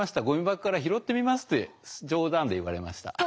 ゴミ箱から拾ってみます」って冗談で言われました。